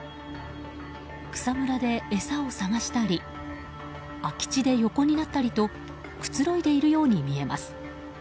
草むらで餌を探したり空き地で横になったりとくつろいでいるように見えます。